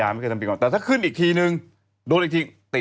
ไม่ใช่ไอ้ตะคุณเนี่ยโดนเลย